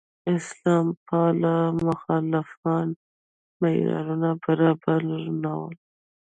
اسلام پاله مخالفان معیارونو برابر نه وو.